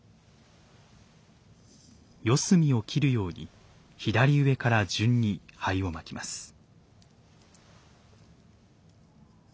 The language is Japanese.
四隅をきるように左上から順に灰をまきます。